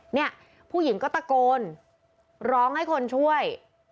เนี่ยผู้หญิงก็ตะโกนร้องให้คนช่วย